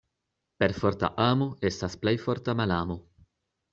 Perforta amo estas plej forta malamo.